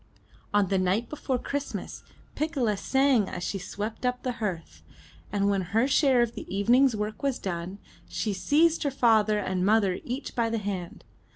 On the night before Christmas, Piccola sang as she swept up the hearth, and when her share of the evening's work was done, she seized her father and mother each by the hand.